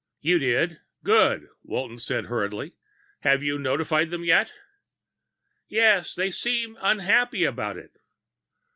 "You did? Good," Walton said hurriedly. "Have you notified them yet?" "Yes. They seemed unhappy about it."